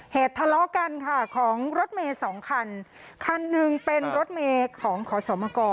ทะเลาะกันค่ะของรถเมย์สองคันคันหนึ่งเป็นรถเมย์ของขอสมกร